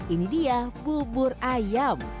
ini dia bubur ayam